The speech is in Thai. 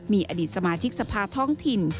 มีอดีตสมาชิกสภาท้องถิ่น